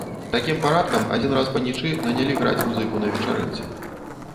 Такім парадкам адзін раз панічы нанялі граць музыку на вечарынцы.